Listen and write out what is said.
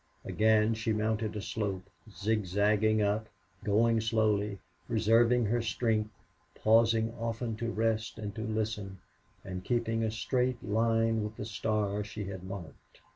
Again she mounted a slope, zigzagging up, going slowly, reserving her strength, pausing often to rest and to listen, and keeping a straight line with the star she had marked.